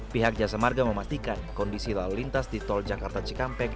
pihak jasa marga memastikan kondisi lalu lintas di tol jakarta cikampek